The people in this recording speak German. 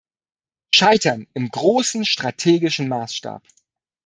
Scheitern im großen, strategischen Maßstab.